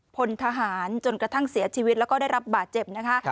พลทหารจนกระทั่งเสียชีวิตแล้วก็ได้รับบาดเจ็บนะคะ